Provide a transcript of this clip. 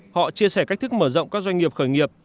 họ chia sẻ cách thức mở rộng các doanh nghiệp khởi nghiệp